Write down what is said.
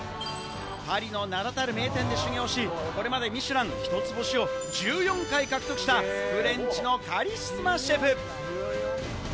パリの名だたる名店で修業し、これまでミシュラン１つ星を１４回獲得したフレンチのカリスマシェフ。